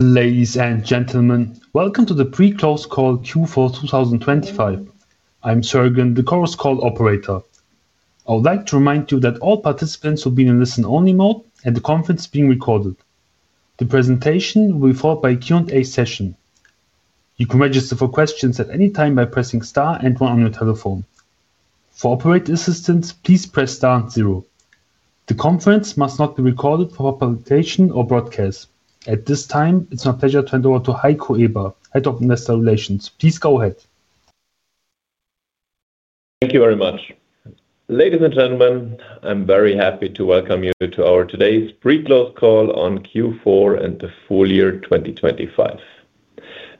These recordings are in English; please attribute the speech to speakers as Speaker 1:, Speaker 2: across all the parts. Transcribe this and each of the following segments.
Speaker 1: Ladies and gentlemen, welcome to the Pre-Close Call Q4 2025. I'm Sergen, the Chorus Call Operator. I would like to remind you that all participants will be in listen-only mode, and the conference is being recorded. The presentation will be followed by a Q&A session. You can register for questions at any time by pressing Star and one on your telephone. For operator assistance, please press Star and 0. The conference must not be recorded for publication or broadcast. At this time, it's my pleasure to hand over to Heiko Eber, Head of Investor Relations. Please go ahead.
Speaker 2: Thank you very much. Ladies and gentlemen, I'm very happy to welcome you to our today's Pre-Close Call on Q4 and the full year 2025.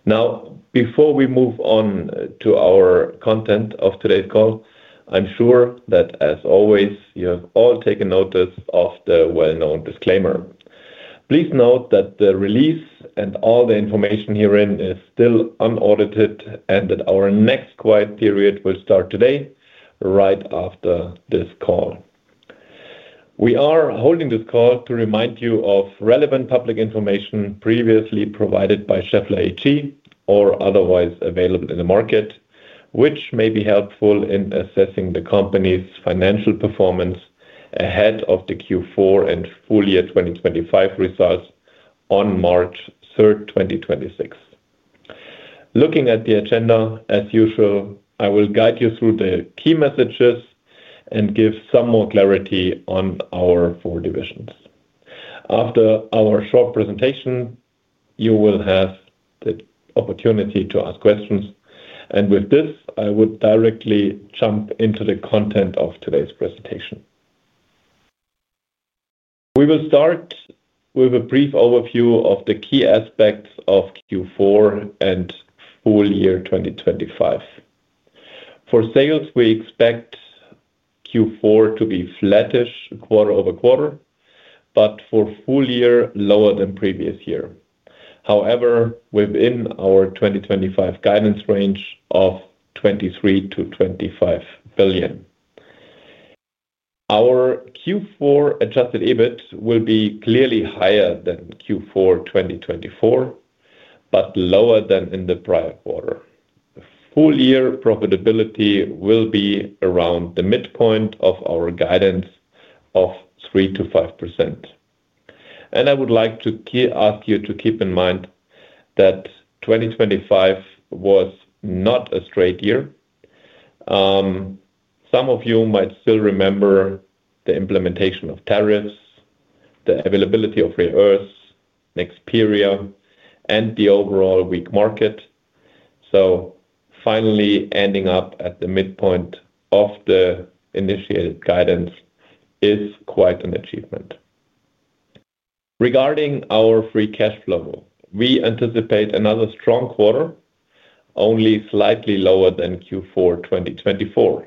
Speaker 2: Now, before we move on to our content of today's call, I'm sure that, as always, you have all taken notice of the well-known disclaimer. Please note that the release and all the information herein is still unaudited and that our next quiet period will start today, right after this call. We are holding this call to remind you of relevant public information previously provided by Schaeffler AG or otherwise available in the market, which may be helpful in assessing the company's financial performance ahead of the Q4 and full year 2025 results on March 3, 2026. Looking at the agenda, as usual, I will guide you through the key messages and give some more clarity on our four divisions. After our short presentation, you will have the opportunity to ask questions. And with this, I would directly jump into the content of today's presentation. We will start with a brief overview of the key aspects of Q4 and full year 2025. For sales, we expect Q4 to be flattish quarter-over-quarter, but for full year, lower than previous year. However, within our 2025 guidance range of $23 billion-$25 billion. Our Q4 adjusted EBIT will be clearly higher than Q4 2024, but lower than in the prior quarter. Full year profitability will be around the midpoint of our guidance of 3%-5%. And I would like to ask you to keep in mind that 2025 was not a straight year. Some of you might still remember the implementation of tariffs, the availability of Renesas, Nexperia, and the overall weak market. So finally, ending up at the midpoint of the initiated guidance is quite an achievement. Regarding our free cash flow, we anticipate another strong quarter, only slightly lower than Q4 2024.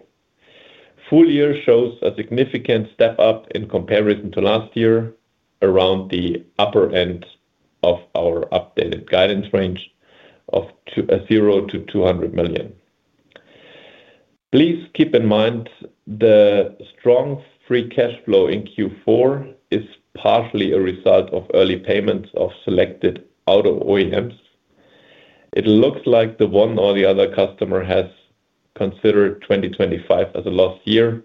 Speaker 2: Full year shows a significant step up in comparison to last year, around the upper end of our updated guidance range of $0-$200 million. Please keep in mind the strong free cash flow in Q4 is partially a result of early payments of selected Auto OEMs. It looks like the one or the other customer has considered 2025 as a lost year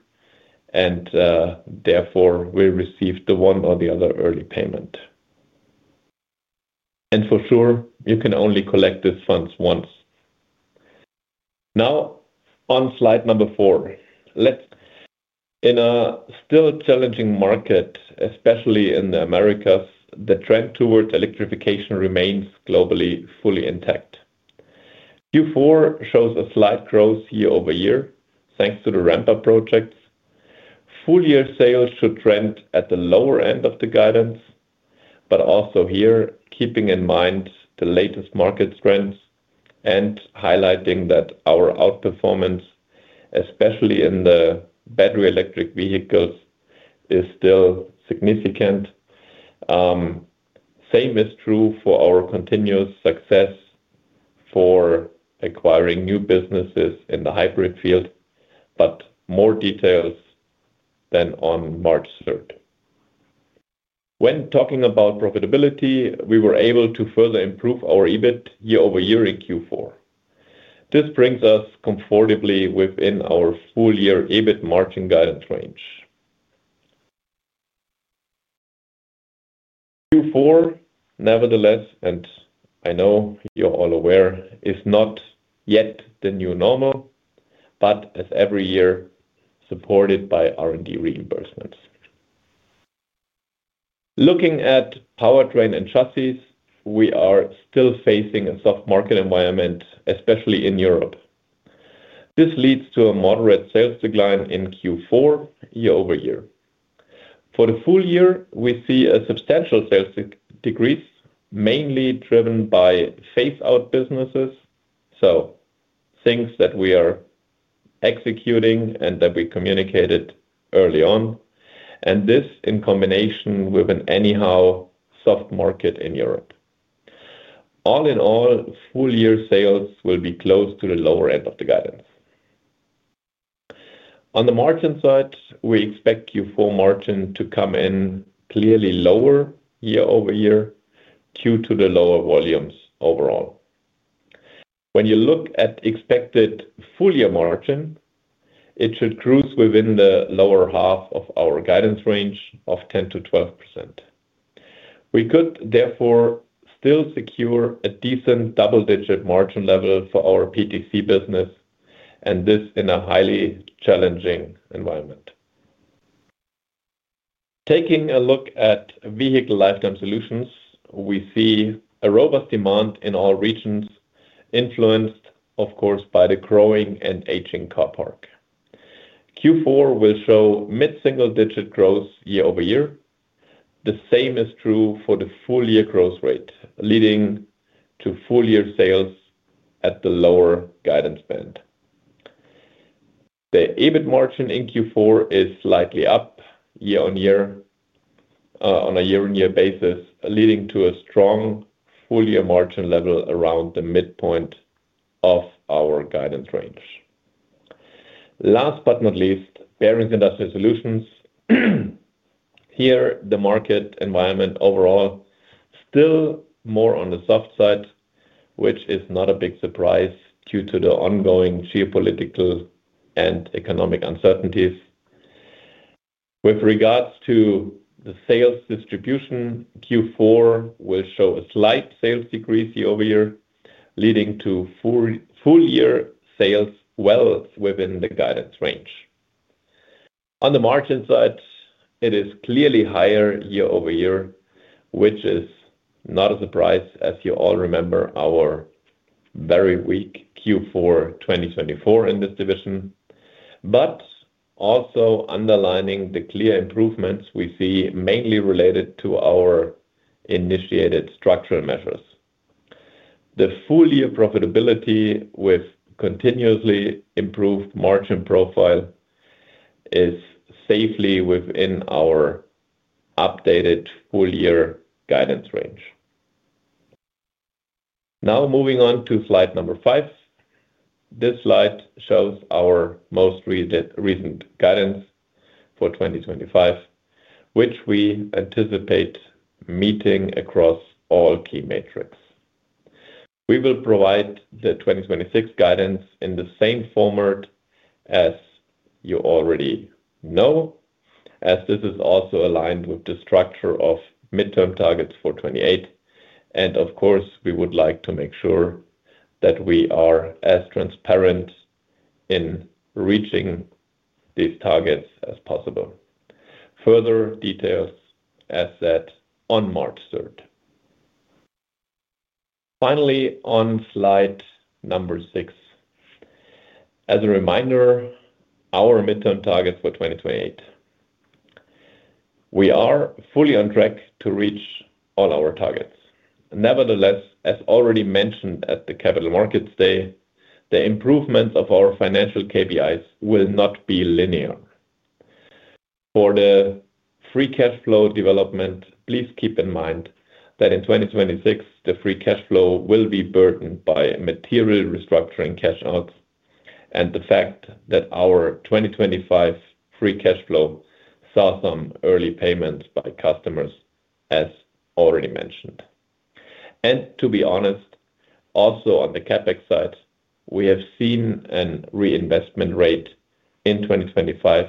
Speaker 2: and therefore will receive the one or the other early payment. And for sure, you can only collect these funds once. Now, on slide number 4, let's. In a still challenging market, especially in the Americas, the trend towards electrification remains globally fully intact. Q4 shows a slight growth year-over-year, thanks to the ramp-up projects. Full year sales should trend at the lower end of the guidance, but also here, keeping in mind the latest market trends and highlighting that our outperformance, especially in the battery electric vehicles, is still significant. Same is true for our continuous success for acquiring new businesses in the hybrid field, but more details then on March 3. When talking about profitability, we were able to further improve our EBIT year-over-year in Q4. This brings us comfortably within our full year EBIT margin guidance range. Q4, nevertheless, and I know you're all aware, is not yet the new normal, but as every year, supported by R&D reimbursements. Looking at Powertrain and Chassis, we are still facing a soft market environment, especially in Europe. This leads to a moderate sales decline in Q4 year-over-year. For the full year, we see a substantial sales decrease, mainly driven by phase-out businesses, so things that we are executing and that we communicated early on, and this in combination with an anyhow soft market in Europe. All in all, full year sales will be close to the lower end of the guidance. On the margin side, we expect Q4 margin to come in clearly lower year-over-year due to the lower volumes overall. When you look at expected full year margin, it should cruise within the lower half of our guidance range of 10%-12%. We could therefore still secure a decent double-digit margin level for our PTC business, and this in a highly challenging environment. Taking a look at Vehicle Lifetime Solutions, we see a robust demand in all regions, influenced, of course, by the growing and aging car park. Q4 will show mid-single-digit growth year-over-year. The same is true for the full year growth rate, leading to full year sales at the lower guidance band. The EBIT margin in Q4 is slightly up year-on-year on a year-over-year basis, leading to a strong full year margin level around the midpoint of our guidance range. Last but not least, Bearings & Industrial Solutions. Here, the market environment overall is still more on the soft side, which is not a big surprise due to the ongoing geopolitical and economic uncertainties. With regards to the sales distribution, Q4 will show a slight sales decrease year-over-year, leading to full year sales well within the guidance range. On the margin side, it is clearly higher year over year, which is not a surprise, as you all remember our very weak Q4 2024 in this division, but also underlining the clear improvements we see mainly related to our initiated structural measures. The full year profitability with continuously improved margin profile is safely within our updated full year guidance range. Now, moving on to slide number 5. This slide shows our most recent guidance for 2025, which we anticipate meeting across all key metrics. We will provide the 2026 guidance in the same format as you already know, as this is also aligned with the structure of midterm targets for 2028. And of course, we would like to make sure that we are as transparent in reaching these targets as possible. Further details as set on March 3. Finally, on slide number 6, as a reminder, our midterm targets for 2028. We are fully on track to reach all our targets. Nevertheless, as already mentioned at the Capital Markets Day, the improvements of our financial KPIs will not be linear. For the free cash flow development, please keep in mind that in 2026, the free cash flow will be burdened by material restructuring cash outs and the fact that our 2025 free cash flow saw some early payments by customers, as already mentioned. And to be honest, also on the CapEx side, we have seen a reinvestment rate in 2025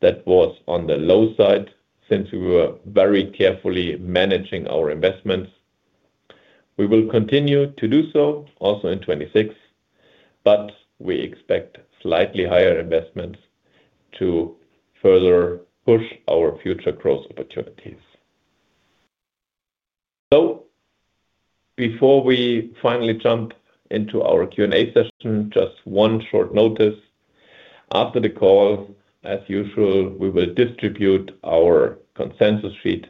Speaker 2: that was on the low side since we were very carefully managing our investments. We will continue to do so also in 2026, but we expect slightly higher investments to further push our future growth opportunities. So before we finally jump into our Q&A session, just one short notice. After the call, as usual, we will distribute our consensus sheet,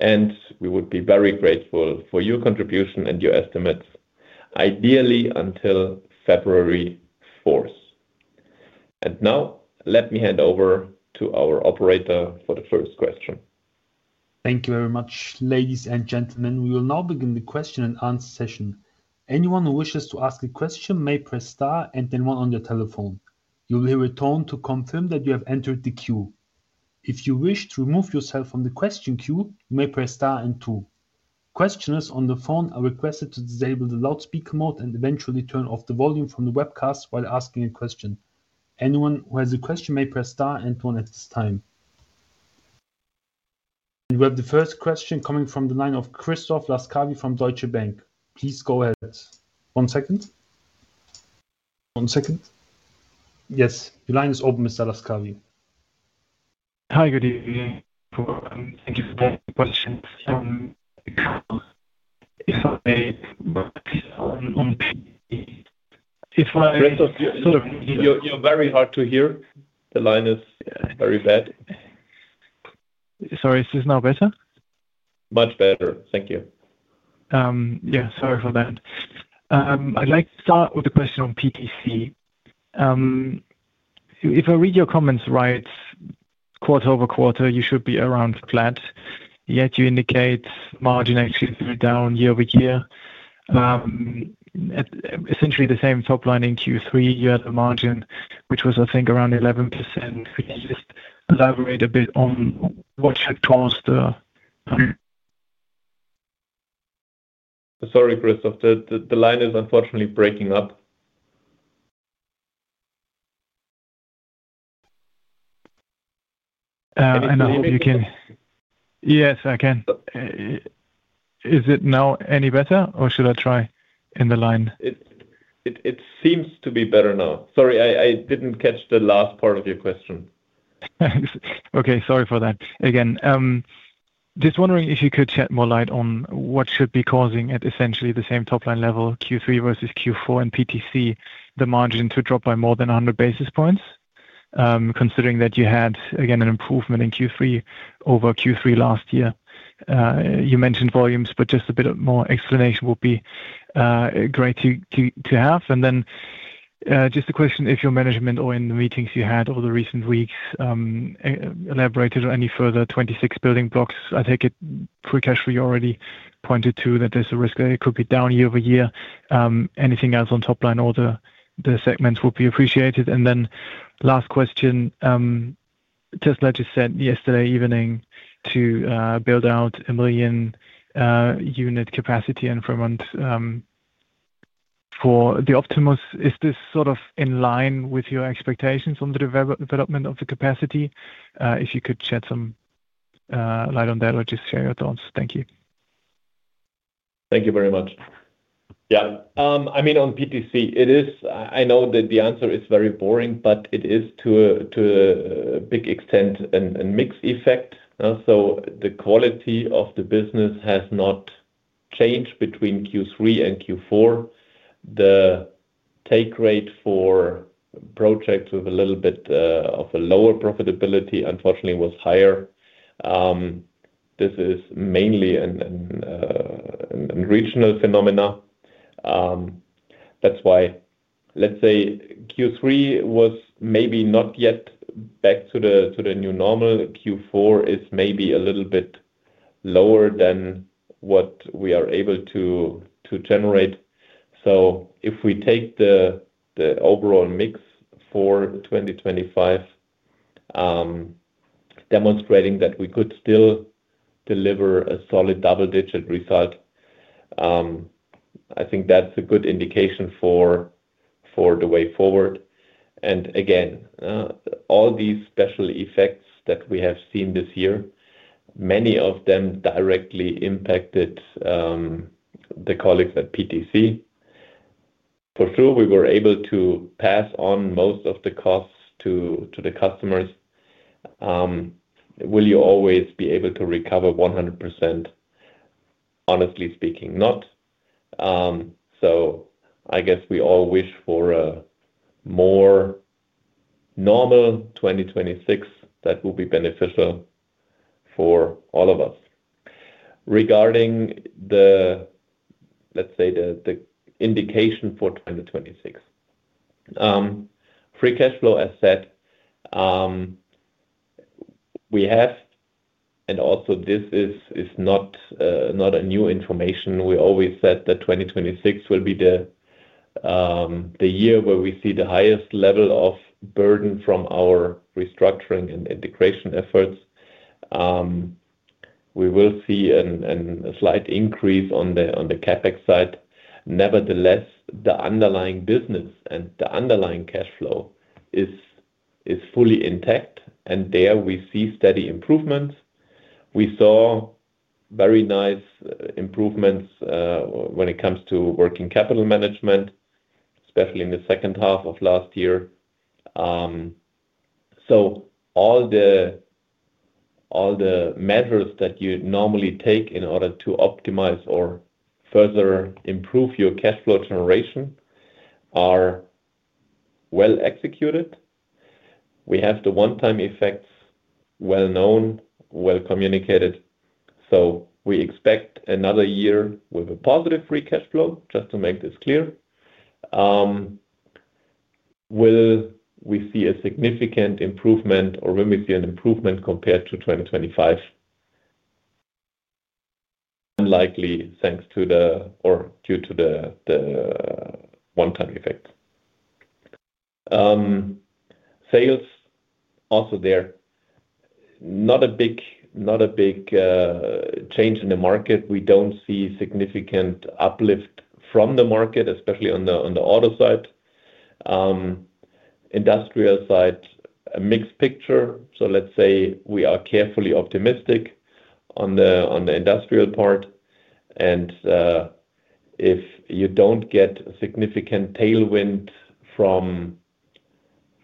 Speaker 2: and we would be very grateful for your contribution and your estimates, ideally until February 4. And now, let me hand over to our operator for the first question.
Speaker 1: Thank you very much, ladies and gentlemen. We will now begin the question and answer session. Anyone who wishes to ask a question may press Star and then one on their telephone. You will hear a tone to confirm that you have entered the queue. If you wish to remove yourself from the question queue, you may press Star and two. Questioners on the phone are requested to disable the loudspeaker mode and eventually turn off the volume from the webcast while asking a question. Anyone who has a question may press Star and one at this time. We have the first question coming from the line of Christoph Laskawi from Deutsche Bank. Please go ahead.
Speaker 2: One second. One second.
Speaker 1: Yes, your line is open, Mr. Laskawi.
Speaker 3: Hi, good evening. Thank you for the question.
Speaker 2: I'm sorry, you're very hard to hear. The line is very bad.
Speaker 3: Sorry, is this now better?
Speaker 2: Much better. Thank you.
Speaker 3: Yeah, sorry for that. I'd like to start with the question on PTC. If I read your comments right, quarter-over-quarter, you should be around flat. Yet you indicate margin actually down year-over-year. Essentially, the same top line in Q3, you had a margin which was, I think, around 11%. Could you just elaborate a bit on what you told us there?
Speaker 2: Sorry, Christoph. The line is unfortunately breaking up.
Speaker 3: I know you can. Yes, I can. Is it now any better, or should I try in the line?
Speaker 2: It seems to be better now. Sorry, I didn't catch the last part of your question.
Speaker 3: Thanks. Okay, sorry for that again. Just wondering if you could shed more light on what should be causing at essentially the same top line level, Q3 versus Q4 and PTC, the margin to drop by more than 100 basis points, considering that you had, again, an improvement in Q3 over Q3 last year. You mentioned volumes, but just a bit more explanation would be great to have. And then just a question, if your management or in the meetings you had over the recent weeks elaborated on any further 2026 building blocks, I take it free cash flow you already pointed to that there's a risk that it could be down year-over-year. Anything else on top line or the segments would be appreciated. And then last question, Tesla just said yesterday evening to build out a 1 million unit capacity per month for the Optimus. Is this sort of in line with your expectations on the development of the capacity? If you could shed some light on that or just share your thoughts. Thank you.
Speaker 2: Thank you very much. Yeah. I mean, on PTC, it is. I know that the answer is very boring, but it is to a big extent a mix effect. So the quality of the business has not changed between Q3 and Q4. The take rate for projects with a little bit of a lower profitability, unfortunately, was higher. This is mainly a regional phenomenon. That's why, let's say, Q3 was maybe not yet back to the new normal. Q4 is maybe a little bit lower than what we are able to generate. So if we take the overall mix for 2025, demonstrating that we could still deliver a solid double-digit result, I think that's a good indication for the way forward. And again, all these special effects that we have seen this year, many of them directly impacted the colleagues at PTC. For sure, we were able to pass on most of the costs to the customers. Will you always be able to recover 100%? Honestly speaking, not. So I guess we all wish for a more normal 2026 that will be beneficial for all of us. Regarding, let's say, the indication for 2026, free cash flow, as said, we have, and also this is not new information. We always said that 2026 will be the year where we see the highest level of burden from our restructuring and integration efforts. We will see a slight increase on the CapEx side. Nevertheless, the underlying business and the underlying cash flow is fully intact, and there we see steady improvements. We saw very nice improvements when it comes to working capital management, especially in the second half of last year. So all the measures that you normally take in order to optimize or further improve your cash flow generation are well executed. We have the one-time effects well known, well communicated. So we expect another year with a positive free cash flow, just to make this clear. Will we see a significant improvement, or will we see an improvement compared to 2025? Unlikely thanks to the or due to the one-time effect. Sales, also there, not a big change in the market. We don't see significant uplift from the market, especially on the auto side. Industrial side, a mixed picture. So let's say we are carefully optimistic on the industrial part. And if you don't get a significant tailwind from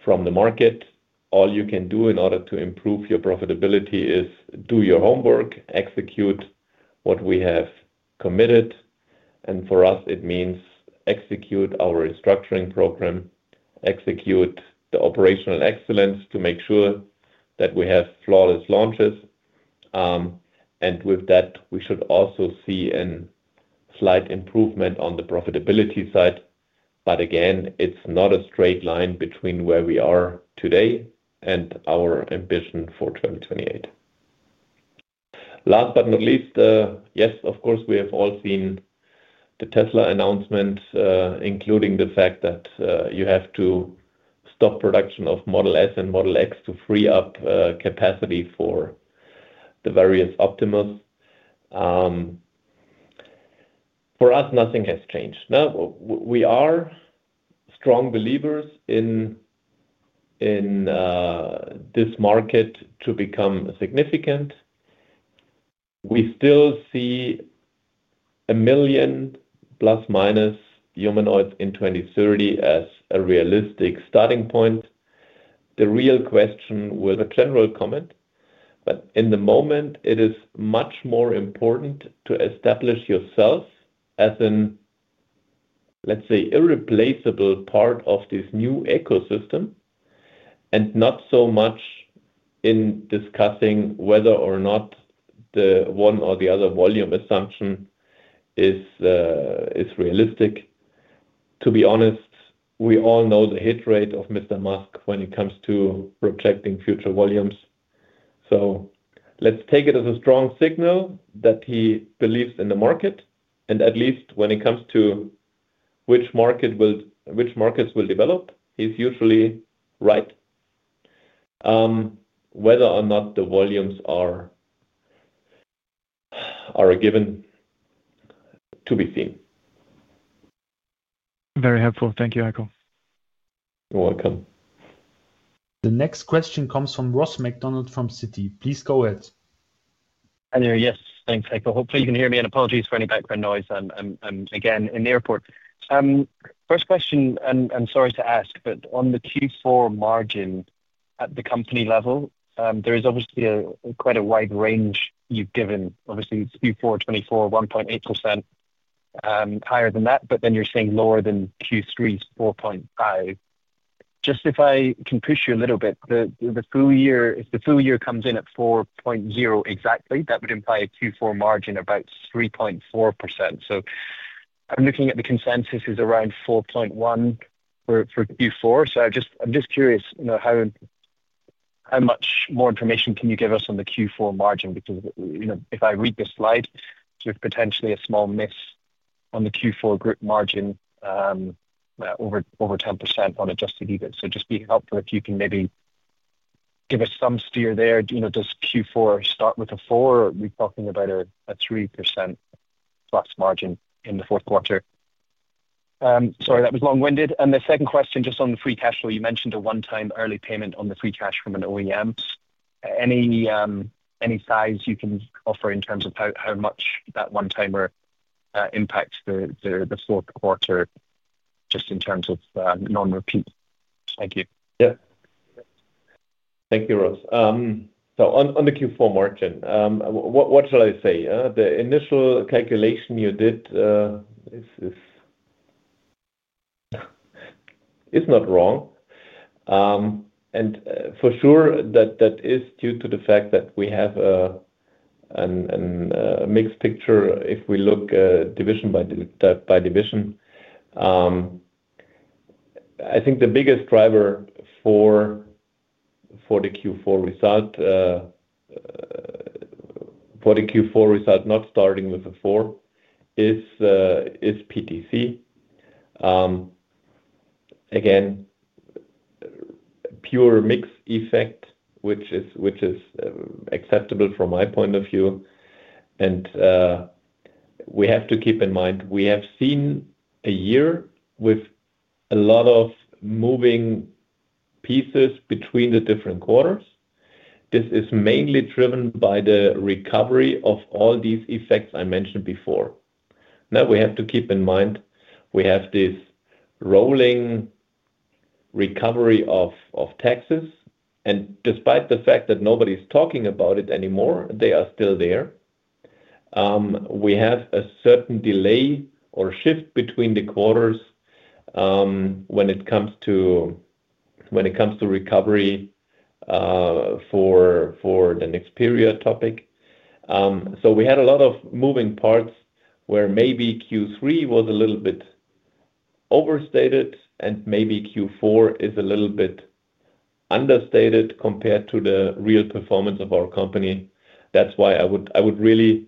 Speaker 2: the market, all you can do in order to improve your profitability is do your homework, execute what we have committed. For us, it means execute our restructuring program, execute the operational excellence to make sure that we have flawless launches. And with that, we should also see a slight improvement on the profitability side. But again, it's not a straight line between where we are today and our ambition for 2028. Last but not least, yes, of course, we have all seen the Tesla announcement, including the fact that you have to stop production of Model S and Model X to free up capacity for the various Optimus. For us, nothing has changed. We are strong believers in this market to become significant. We still see 1 million ± humanoids in 2030 as a realistic starting point. The real question will be a general comment, but at the moment, it is much more important to establish yourself as an, let's say, irreplaceable part of this new ecosystem and not so much in discussing whether or not the one or the other volume assumption is realistic. To be honest, we all know the hit rate of Mr. Musk when it comes to projecting future volumes. So let's take it as a strong signal that he believes in the market. At least when it comes to which markets will develop, he's usually right. Whether or not the volumes are a given to be seen.
Speaker 3: Very helpful. Thank you, Heiko
Speaker 2: You're welcome.
Speaker 1: The next question comes from Ross MacDonald from Citi. Please go ahead.
Speaker 4: Hi there. Yes, thanks, Michael. Hopefully, you can hear me. And apologies for any background noise. I'm again in the airport. First question, and sorry to ask, but on the Q4 margin at the company level, there is obviously quite a wide range you've given. Obviously, it's Q4 2024, 1.8% higher than that, but then you're saying lower than Q3's 4.5%. Just if I can push you a little bit, if the full year comes in at 4.0% exactly, that would imply a Q4 margin of about 3.4%. So I'm looking at the consensus is around 4.1% for Q4. So I'm just curious how much more information can you give us on the Q4 margin? Because if I read this slide, there's potentially a small miss on the Q4 group margin over 10% on adjusted EBIT. So just be helpful if you can maybe give us some steer there. Does Q4 start with a 4%, or are we talking about a +3% margin in the fourth quarter? Sorry, that was long-winded. And the second question, just on the free cash flow, you mentioned a one-time early payment on the free cash from an OEM. Any size you can offer in terms of how much that one-timer impacts the fourth quarter just in terms of non-repeat? Thank you.
Speaker 2: Yeah. Thank you, Ross. So on the Q4 margin, what shall I say? The initial calculation you did is not wrong. And for sure, that is due to the fact that we have a mixed picture if we look division by division. I think the biggest driver for the Q4 result, for the Q4 result not starting with a 4%, is PTC. Again, pure mixed effect, which is acceptable from my point of view. And we have to keep in mind we have seen a year with a lot of moving pieces between the different quarters. This is mainly driven by the recovery of all these effects I mentioned before. Now, we have to keep in mind we have this rolling recovery of taxes. And despite the fact that nobody's talking about it anymore, they are still there. We have a certain delay or shift between the quarters when it comes to recovery for the next period topic. So we had a lot of moving parts where maybe Q3 was a little bit overstated and maybe Q4 is a little bit understated compared to the real performance of our company. That's why I would really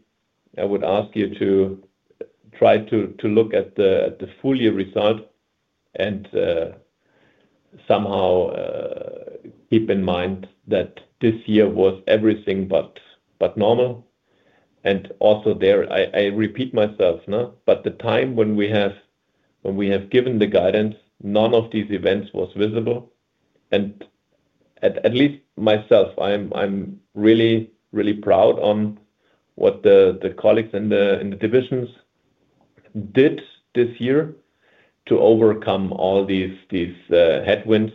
Speaker 2: ask you to try to look at the full year result and somehow keep in mind that this year was everything but normal. And also there, I repeat myself, but the time when we have given the guidance, none of these events was visible. And at least myself, I'm really, really proud on what the colleagues in the divisions did this year to overcome all these headwinds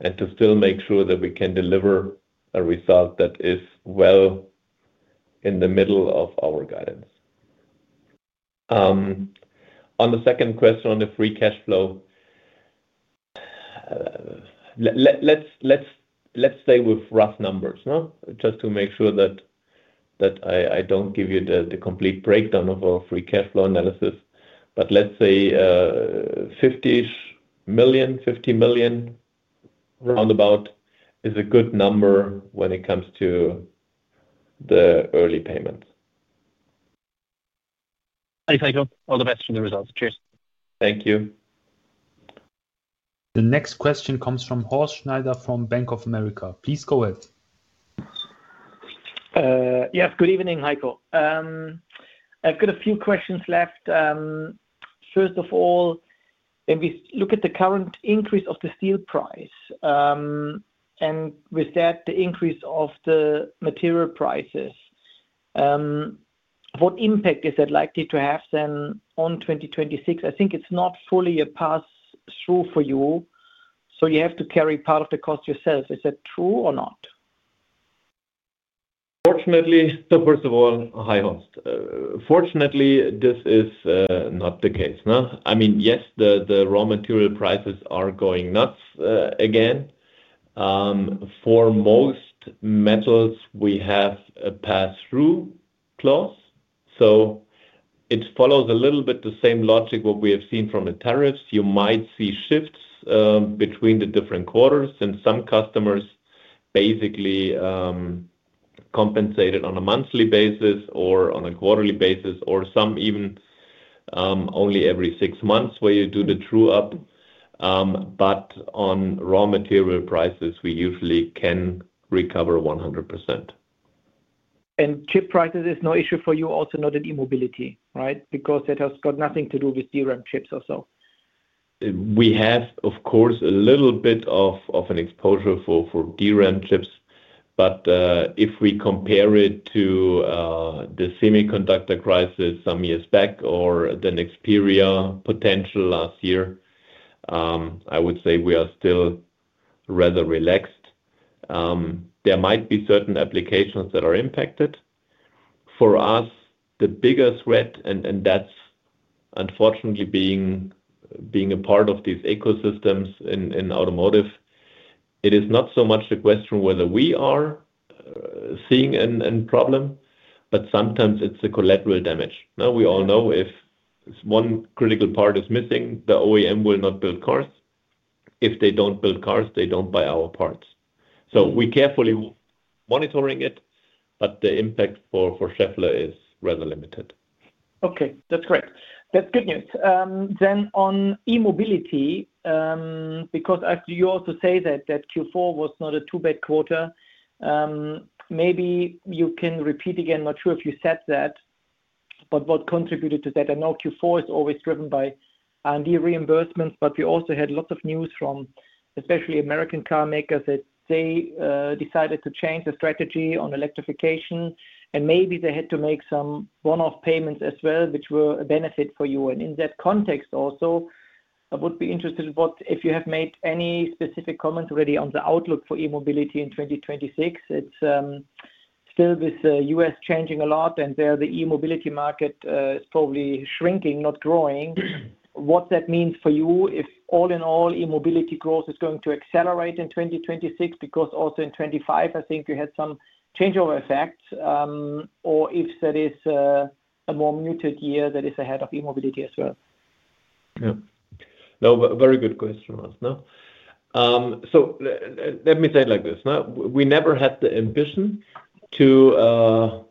Speaker 2: and to still make sure that we can deliver a result that is well in the middle of our guidance. On the second question on the free cash flow, let's stay with rough numbers just to make sure that I don't give you the complete breakdown of our free cash flow analysis. But let's say EUR 50 million, roundabout, is a good number when it comes to the early payments.
Speaker 4: Thanks, Heiko. All the best for the results. Cheers.
Speaker 2: Thank you.
Speaker 1: The next question comes from Horst Schneider from Bank of America. Please go ahead.
Speaker 5: Yes, good evening, Heiko. I've got a few questions left. First of all, if we look at the current increase of the steel price and with that, the increase of the material prices, what impact is that likely to have then on 2026? I think it's not fully a pass-through for you, so you have to carry part of the cost yourself. Is that true or not?
Speaker 2: Fortunately, so first of all, hi Horst. Fortunately, this is not the case. I mean, yes, the raw material prices are going nuts again. For most metals, we have a pass-through clause. So it follows a little bit the same logic what we have seen from the tariffs. You might see shifts between the different quarters, and some customers basically compensate it on a monthly basis or on a quarterly basis, or some even only every six months where you do the true-up. But on raw material prices, we usually can recover 100%.
Speaker 5: Chip prices is no issue for you, also not in e-mobility, right? Because that has got nothing to do with DRAM chips or so.
Speaker 2: We have, of course, a little bit of an exposure for DRAM chips. But if we compare it to the semiconductor crisis some years back or the Nexperia potential last year, I would say we are still rather relaxed. There might be certain applications that are impacted. For us, the biggest threat, and that's unfortunately being a part of these ecosystems in automotive, it is not so much the question whether we are seeing a problem, but sometimes it's a collateral damage. We all know if one critical part is missing, the OEM will not build cars. If they don't build cars, they don't buy our parts. So we're carefully monitoring it, but the impact for Schaeffler is rather limited.
Speaker 5: Okay, that's correct. That's good news. Then on e-mobility, because you also say that Q4 was not a too bad quarter, maybe you can repeat again, not sure if you said that, but what contributed to that? I know Q4 is always driven by R&D reimbursements, but we also had lots of news from especially American car makers that they decided to change the strategy on electrification, and maybe they had to make some one-off payments as well, which were a benefit for you. And in that context also, I would be interested in what if you have made any specific comments already on the outlook for e-mobility in 2026? It's still with the U.S. changing a lot, and there the e-mobility market is probably shrinking, not growing. What that means for you if all in all e-mobility growth is going to accelerate in 2026 because also in 2025, I think you had some changeover effects, or if that is a more muted year that is ahead of e-mobility as well?
Speaker 2: Yeah. No, very good question, Horst. So let me say it like this. We never had the ambition to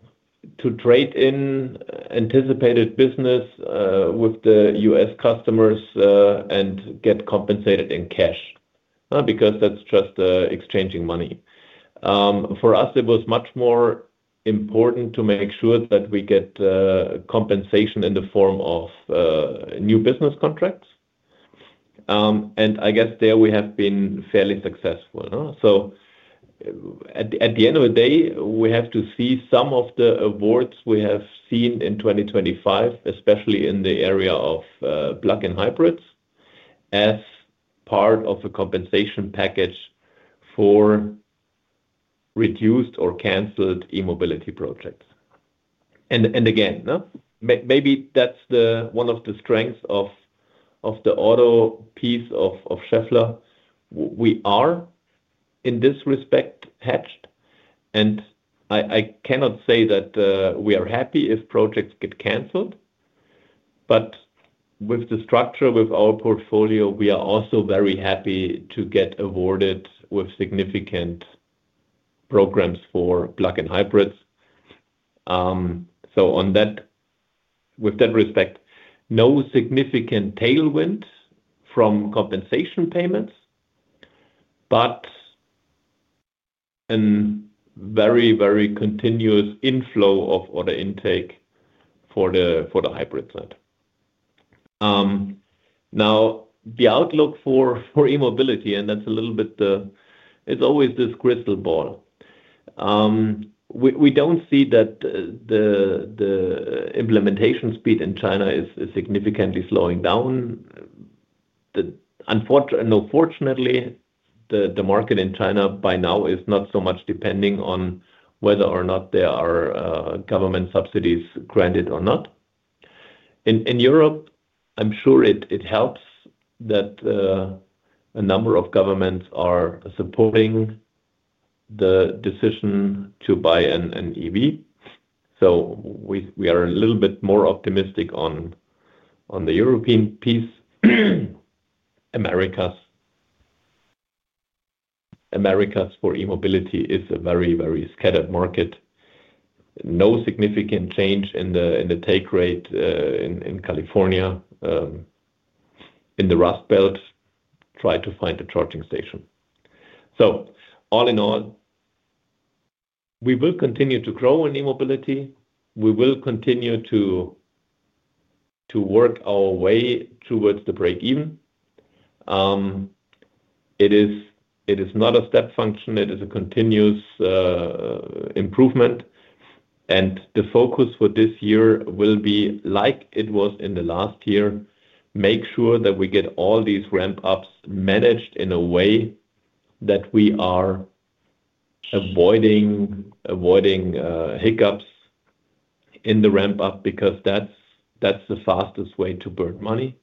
Speaker 2: trade in anticipated business with the U.S. customers and get compensated in cash because that's just exchanging money. For us, it was much more important to make sure that we get compensation in the form of new business contracts. And I guess there we have been fairly successful. So at the end of the day, we have to see some of the awards we have seen in 2025, especially in the area of plug-in hybrids as part of a compensation package for reduced or canceled e-mobility projects. And again, maybe that's one of the strengths of the auto piece of Schaeffler. We are, in this respect, hedged. And I cannot say that we are happy if projects get canceled. But with the structure, with our portfolio, we are also very happy to get awarded with significant programs for plug-in hybrids. So with that respect, no significant tailwind from compensation payments, but a very, very continuous inflow of order intake for the hybrid side. Now, the outlook for e-mobility, and that's a little bit the it's always this crystal ball. We don't see that the implementation speed in China is significantly slowing down. Unfortunately, the market in China by now is not so much depending on whether or not there are government subsidies granted or not. In Europe, I'm sure it helps that a number of governments are supporting the decision to buy an EV. So we are a little bit more optimistic on the European piece. Americas for e-mobility is a very, very scattered market. No significant change in the take rate in California in the Rust Belt. Try to find a charging station. So all in all, we will continue to grow in e-mobility. We will continue to work our way towards the break-even. It is not a step function. It is a continuous improvement. And the focus for this year will be like it was in the last year, make sure that we get all these ramp-ups managed in a way that we are avoiding hiccups in the ramp-up because that's the fastest way to burn money.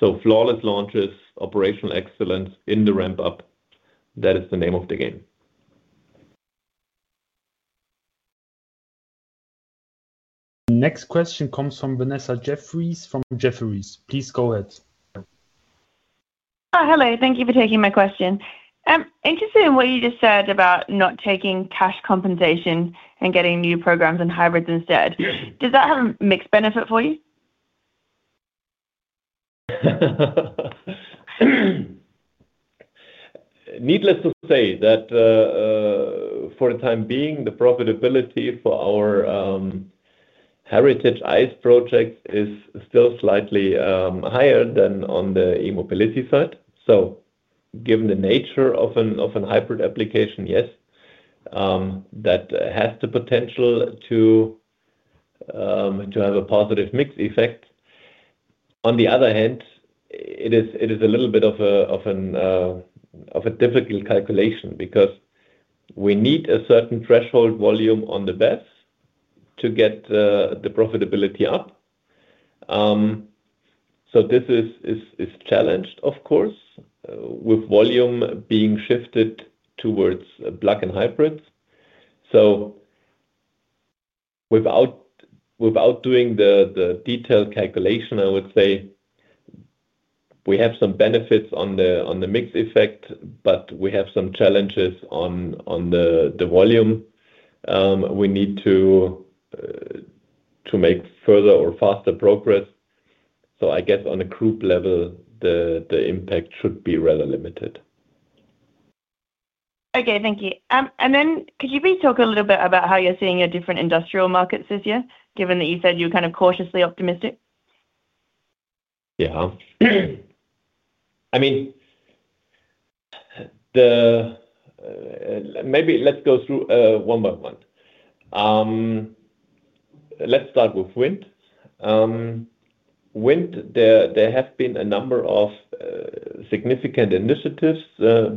Speaker 2: So flawless launches, operational excellence in the ramp-up, that is the name of the game.
Speaker 1: Next question comes from Vanessa Jeffriess from Jefferies. Please go ahead.
Speaker 6: Hi, hello. Thank you for taking my question. I'm interested in what you just said about not taking cash compensation and getting new programs and hybrids instead. Does that have a mixed benefit for you?
Speaker 2: Needless to say that for the time being, the profitability for our heritage ICE project is still slightly higher than on the E-Mobility side. So given the nature of an hybrid application, yes, that has the potential to have a positive mixed effect. On the other hand, it is a little bit of a difficult calculation because we need a certain threshold volume on the beds to get the profitability up. So this is challenged, of course, with volume being shifted towards plug-in hybrids. So without doing the detailed calculation, I would say we have some benefits on the mixed effect, but we have some challenges on the volume we need to make further or faster progress. So I guess on a group level, the impact should be rather limited.
Speaker 6: Okay, thank you. And then could you please talk a little bit about how you're seeing your different industrial markets this year, given that you said you're kind of cautiously optimistic?
Speaker 2: Yeah. I mean, maybe let's go through one by one. Let's start with wind. Wind, there have been a number of significant initiatives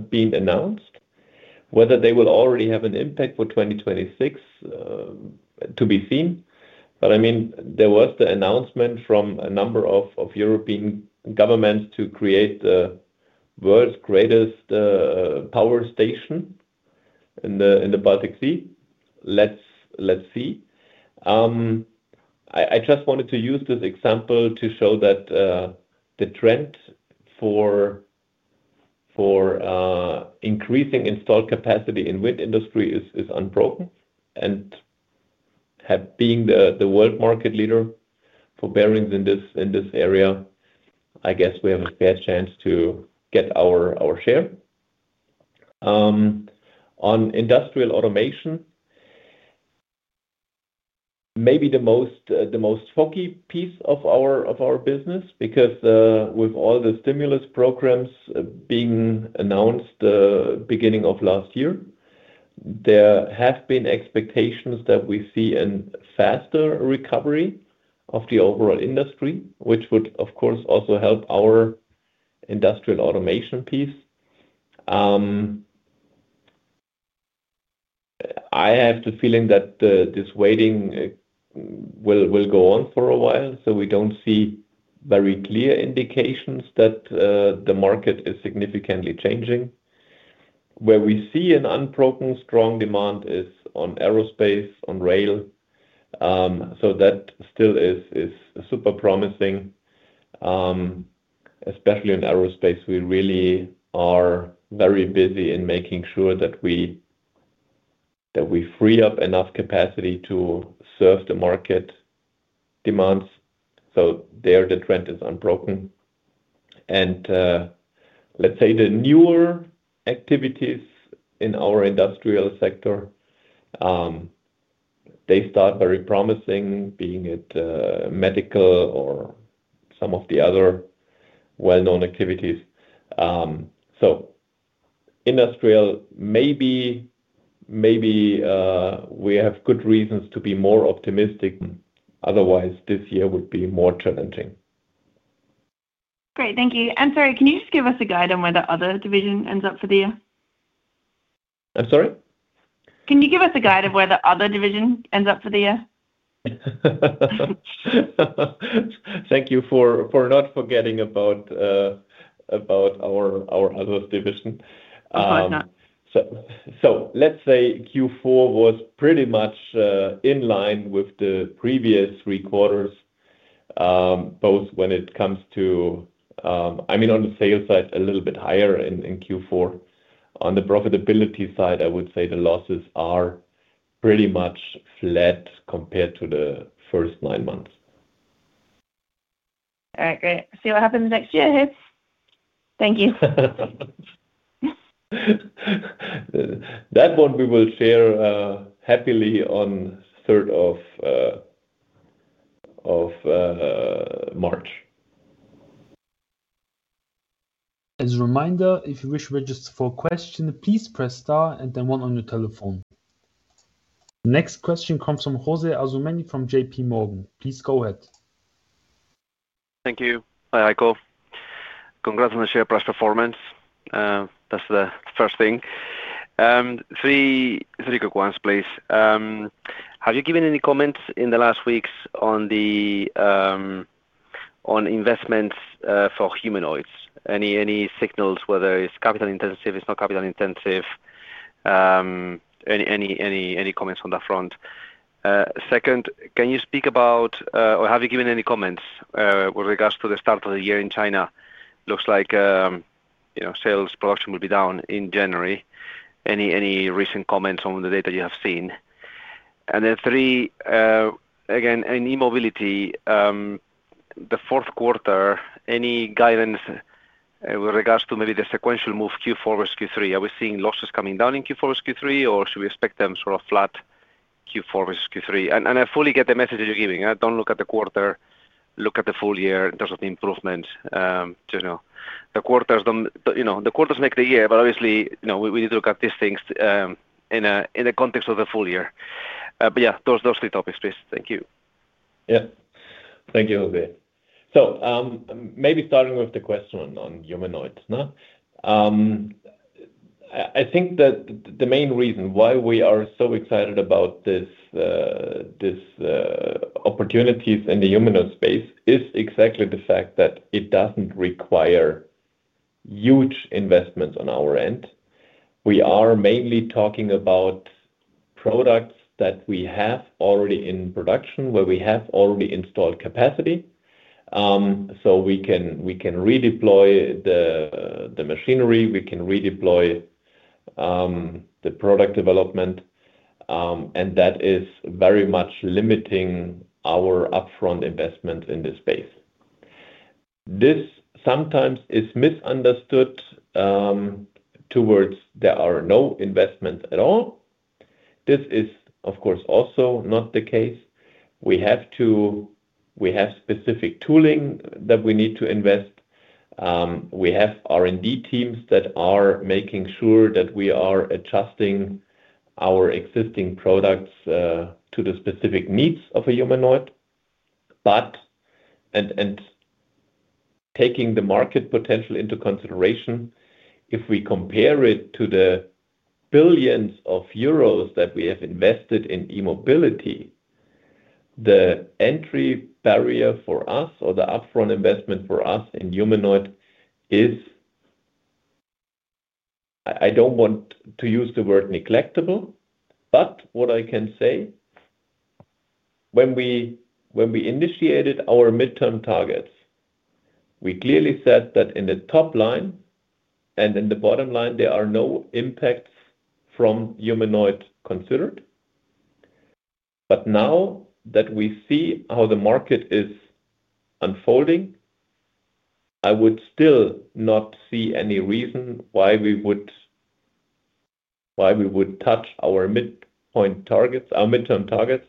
Speaker 2: being announced. Whether they will already have an impact for 2026, to be seen. But I mean, there was the announcement from a number of European governments to create the world's greatest power station in the Baltic Sea. Let's see. I just wanted to use this example to show that the trend for increasing installed capacity in wind industry is unbroken. And being the world market leader for bearings in this area, I guess we have a fair chance to get our share. On industrial automation, maybe the most foggy piece of our business, because with all the stimulus programs being announced beginning of last year, there have been expectations that we see a faster recovery of the overall industry, which would, of course, also help our industrial automation piece. I have the feeling that this waiting will go on for a while, so we don't see very clear indications that the market is significantly changing. Where we see an unbroken strong demand is on aerospace, on rail. That still is super promising, especially in aerospace. We really are very busy in making sure that we free up enough capacity to serve the market demands. So there, the trend is unbroken. Let's say the newer activities in our industrial sector, they start very promising, be it medical or some of the other well-known activities. So industrial, maybe we have good reasons to be more optimistic. Otherwise, this year would be more challenging.
Speaker 6: Great. Thank you. Sorry, can you just give us a guide on where the other division ends up for the year?
Speaker 2: I'm sorry?
Speaker 6: Can you give us a guide of where the other division ends up for the year?
Speaker 2: Thank you for not forgetting about our other division.
Speaker 6: I apologize.
Speaker 2: So let's say Q4 was pretty much in line with the previous three quarters, both when it comes to, I mean, on the sales side, a little bit higher in Q4. On the profitability side, I would say the losses are pretty much flat compared to the first nine months.
Speaker 6: All right. Great. See what happens next year, hey? Thank you.
Speaker 2: That one we will share happily on 3rd of March.
Speaker 1: As a reminder, if you wish to register for a question, please press star and then one on your telephone. Next question comes from José Asumendi from J.P. Morgan. Please go ahead.
Speaker 7: Thank you. Hi, Heiko. Congrats on the Share Price Performance. That's the first thing. Three quick ones, please. Have you given any comments in the last weeks on investments for humanoids? Any signals whether it's capital-intensive, it's not capital-intensive? Any comments on that front? Second, can you speak about or have you given any comments with regards to the start of the year in China? Looks like sales production will be down in January. Any recent comments on the data you have seen? And then three, again, in E-Mobility, the fourth quarter, any guidance with regards to maybe the sequential move Q4 versus Q3? Are we seeing losses coming down in Q4 versus Q3, or should we expect them sort of flat Q4 versus Q3? And I fully get the message you're giving. Don't look at the quarter, look at the full year in terms of improvements. The quarters make the year, but obviously, we need to look at these things in the context of the full year. But yeah, those three topics, please. Thank you.
Speaker 2: Yeah. Thank you, José. So maybe starting with the question on humanoids. I think that the main reason why we are so excited about these opportunities in the humanoid space is exactly the fact that it doesn't require huge investments on our end. We are mainly talking about products that we have already in production where we have already installed capacity. So we can redeploy the machinery, we can redeploy the product development, and that is very much limiting our upfront investment in this space. This sometimes is misunderstood towards there are no investment at all. This is, of course, also not the case. We have specific tooling that we need to invest. We have R&D teams that are making sure that we are adjusting our existing products to the specific needs of a humanoid. Taking the market potential into consideration, if we compare it to the billions of Euros that we have invested in E-Mobility, the entry barrier for us or the upfront investment for us in humanoid is, I don't want to use the word neglect, but what I can say, when we initiated our midterm targets, we clearly said that in the top line and in the bottom line, there are no impacts from humanoid considered. But now that we see how the market is unfolding, I would still not see any reason why we would touch our midterm targets.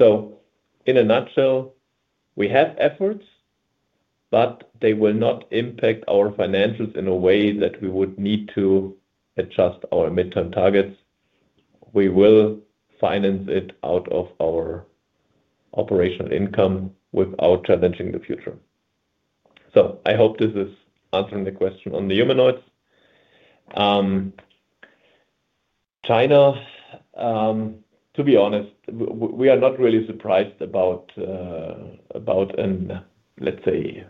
Speaker 2: So in a nutshell, we have efforts, but they will not impact our financials in a way that we would need to adjust our midterm targets. We will finance it out of our operational income without challenging the future. So I hope this is answering the question on the humanoids. China, to be honest, we are not really surprised about a, let's say,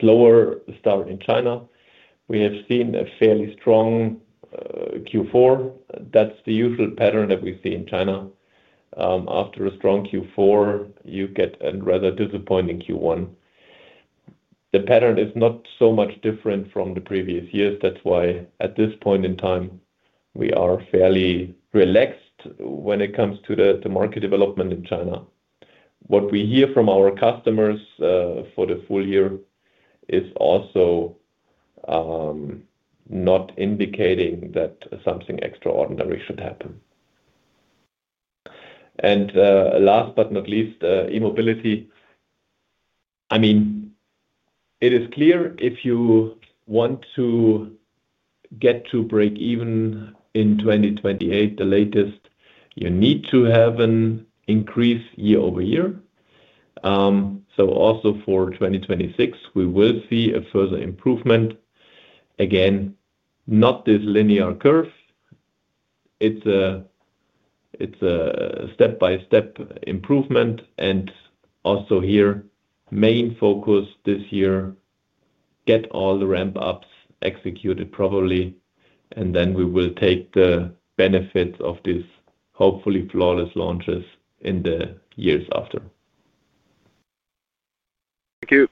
Speaker 2: slower start in China. We have seen a fairly strong Q4. That's the usual pattern that we see in China. After a strong Q4, you get a rather disappointing Q1. The pattern is not so much different from the previous years. That's why at this point in time, we are fairly relaxed when it comes to the market development in China. What we hear from our customers for the full year is also not indicating that something extraordinary should happen. And last but not least, E-Mobility. I mean, it is clear if you want to get to break-even in 2028, the latest, you need to have an increase year-over-year. So also for 2026, we will see a further improvement. Again, not this linear curve. It's a step-by-step improvement. Also here, main focus this year: get all the ramp-ups executed properly, and then we will take the benefits of these hopefully flawless launches in the years after.
Speaker 7: Thank you.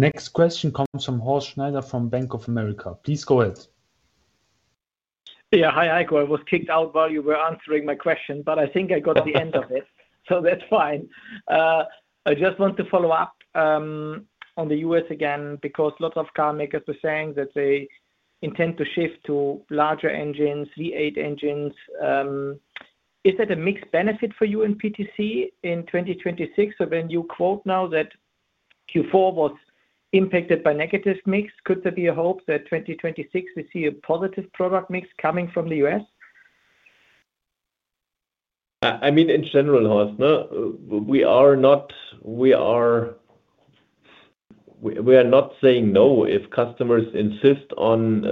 Speaker 1: Next question comes from Horst Schneider from Bank of America. Please go ahead.
Speaker 5: Yeah. Hi, Heiko. I was kicked out while you were answering my question, but I think I got the end of it. So that's fine. I just want to follow up on the U.S. again because lots of car makers were saying that they intend to shift to larger engines, V8 engines. Is that a mixed benefit for you in PTC in 2026? So when you quote now that Q4 was impacted by negative mix, could there be a hope that 2026 we see a positive product mix coming from the U.S.?
Speaker 2: I mean, in general, Horst, we are not saying no if customers insist on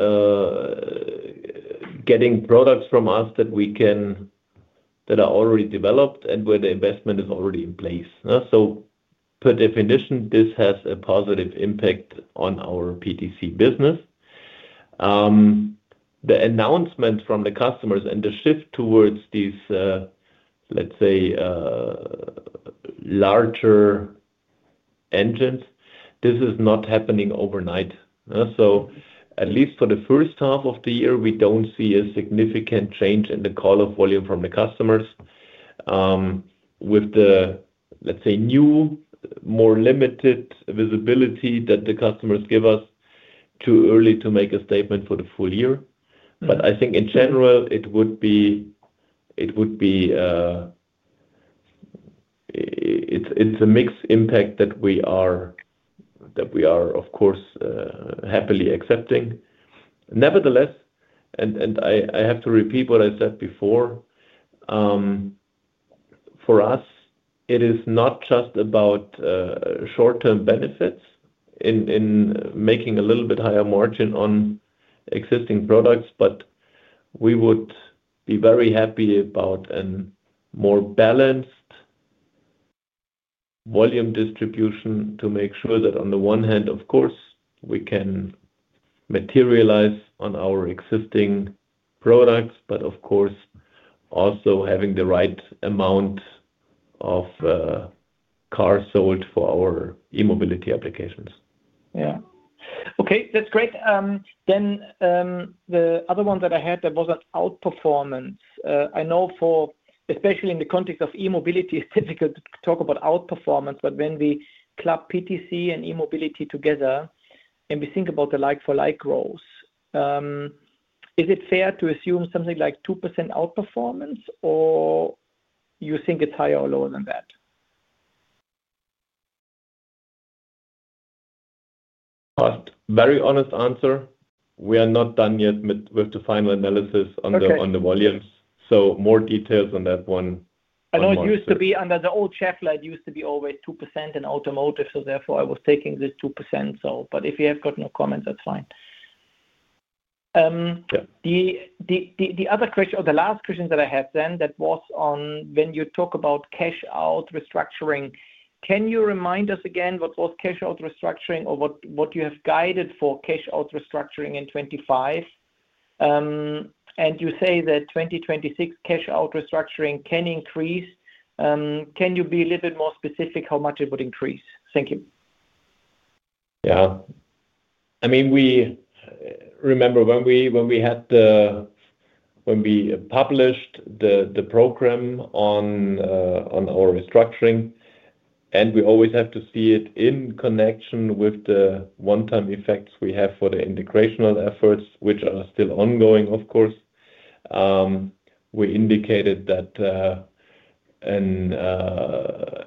Speaker 2: getting products from us that are already developed and where the investment is already in place. So per definition, this has a positive impact on our PTC business. The announcement from the customers and the shift towards these, let's say, larger engines, this is not happening overnight. So at least for the first half of the year, we don't see a significant change in the call-up volume from the customers with the, let's say, new, more limited visibility that the customers give us too early to make a statement for the full year. But I think in general, it would be it's a mixed impact that we are, of course, happily accepting. Nevertheless, and I have to repeat what I said before, for us, it is not just about short-term benefits in making a little bit higher margin on existing products, but we would be very happy about a more balanced volume distribution to make sure that on the one hand, of course, we can materialize on our existing products, but of course, also having the right amount of cars sold for our e-mobility applications.
Speaker 5: Yeah. Okay. That's great. Then the other one that I had that was an outperformance. I know for, especially in the context of e-mobility, it's difficult to talk about outperformance, but when we club PTC and e-mobility together and we think about the like-for-like growth, is it fair to assume something like 2% outperformance, or you think it's higher or lower than that?
Speaker 2: Very honest answer. We are not done yet with the final analysis on the volumes. So more details on that one.
Speaker 5: I know it used to be under the old Chevrolet. It used to be always 2% in automotive, so therefore I was taking this 2%. But if you have got no comments, that's fine. The other question, or the last question that I had then, that was on when you talk about cash-out restructuring. Can you remind us again what was cash-out restructuring or what you have guided for cash-out restructuring in 2025? And you say that 2026 cash-out restructuring can increase. Can you be a little bit more specific how much it would increase? Thank you.
Speaker 2: Yeah. I mean, remember when we published the program on our restructuring, and we always have to see it in connection with the one-time effects we have for the integrational efforts, which are still ongoing, of course. We indicated that an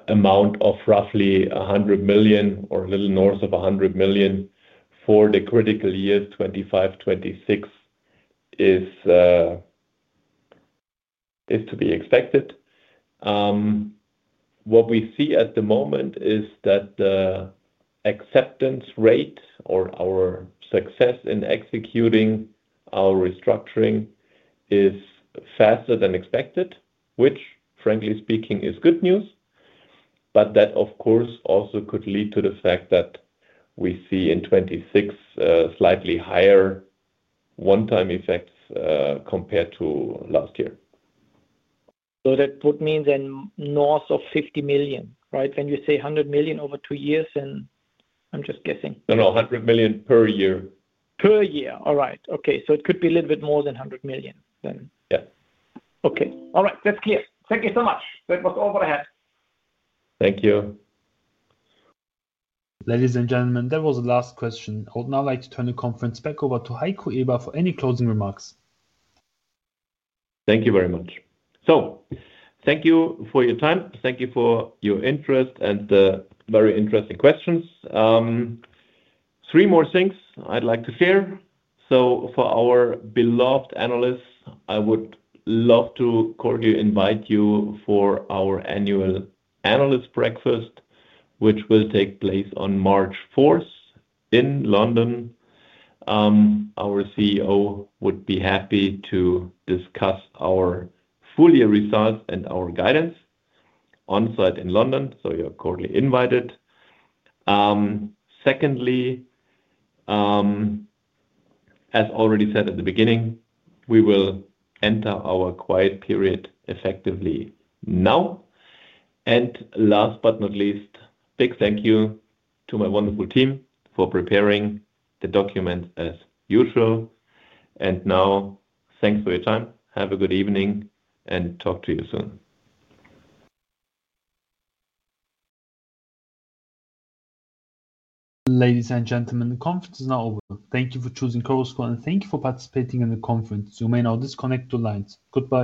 Speaker 2: amount of roughly 100 million or a little north of 100 million for the critical year 2025-2026 is to be expected. What we see at the moment is that the acceptance rate or our success in executing our restructuring is faster than expected, which, frankly speaking, is good news. But that, of course, also could lead to the fact that we see in 2026 slightly higher one-time effects compared to last year.
Speaker 5: So that would mean then north of 50 million, right? When you say 100 million over two years, and I'm just guessing.
Speaker 2: No, 100 million per year.
Speaker 5: Per year. All right. Okay. So it could be a little bit more than 100 million then.
Speaker 2: Yeah.
Speaker 5: Okay. All right. That's clear. Thank you so much. That was all that I had.
Speaker 2: Thank you.
Speaker 1: Ladies and gentlemen, that was the last question. I would now like to turn the conference back over to Heiko Eber for any closing remarks.
Speaker 2: Thank you very much. So thank you for your time. Thank you for your interest and the very interesting questions. Three more things I'd like to share. So for our beloved analysts, I would love to invite you for our annual analyst breakfast, which will take place on March 4th in London. Our CEO would be happy to discuss our full-year results and our guidance onsite in London. So you're quarterly invited. Secondly, as already said at the beginning, we will enter our quiet period effectively now. And last but not least, big thank you to my wonderful team for preparing the documents as usual. And now, thanks for your time. Have a good evening and talk to you soon.
Speaker 1: Ladies and gentlemen, the conference is now over. Thank you for choosing Chorus Call. And thank you for participating in the conference. You may now disconnect your lines. Goodbye.